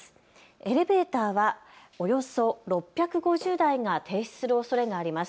エレベーターはおよそ６５０台が停止するおそれがあります。